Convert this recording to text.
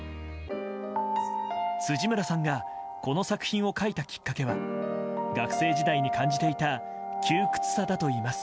辻村さんがこの作品を書いたきっかけは学生時代に感じていた窮屈さだといいます。